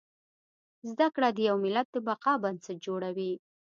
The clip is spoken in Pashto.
زده کړه د يو ملت د بقا بنسټ جوړوي